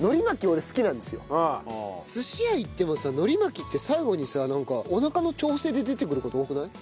寿司屋行ってもさ海苔巻きって最後にさなんかおなかの調整で出てくる事多くない？